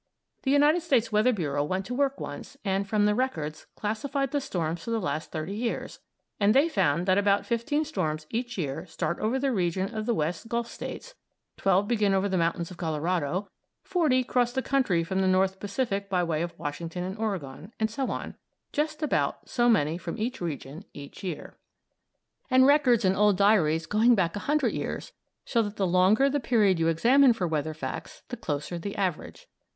The United States Weather Bureau went to work once and, from the records, classified the storms for the last thirty years, and they found that about fifteen storms each year start over the region of the West Gulf States, twelve begin over the mountains of Colorado, forty cross the country from the North Pacific by way of Washington and Oregon; and so on, just about so many from each region each year. [Illustration: The Last Snow, by Lippincott] And records and old diaries, going back a hundred years, show that the longer the period you examine for weather facts, the closer the average.